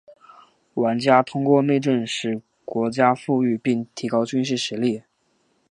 玩家通过内政使国家富裕并提高军事实力。